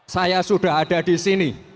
saya sudah ada di sini